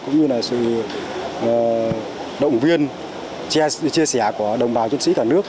cũng như là sự động viên chia sẻ của đồng bào chiến sĩ cả nước